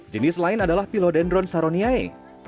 jenis lain adalah pilo dendron saroniae